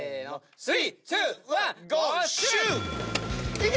いけ！